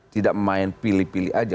tidak main pilih pilih aja